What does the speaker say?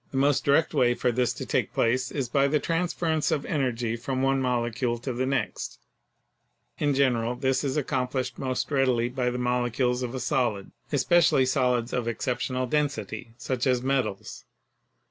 The most direct way for this to take place is by the transference of energy from one molecule to the next. In general this is accomplished most readily by the molecules of a solid, especially solids of exceptional density such as metals.